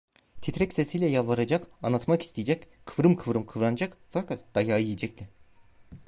Titrek sesiyle yalvaracak, anlatmak isteyecek, kıvrım kıvrım kıvranacak, fakat dayağı yiyecekti.